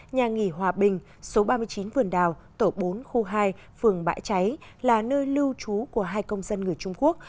nhà nghỉ hòa bình số ba mươi chín vườn đào tổ bốn khu hai phường bãi cháy là nơi lưu trú của hai công dân người trung quốc